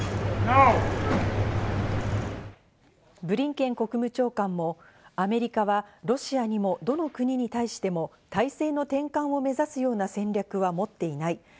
ブリンケン国務長官もアメリカはロシアにもどの国に対しても体制の転換を目指すような戦略は持っていない。